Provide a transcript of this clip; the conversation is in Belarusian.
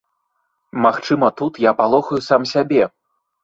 Магчыма, тут я палохаю сам сябе.